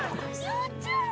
よっちゃん！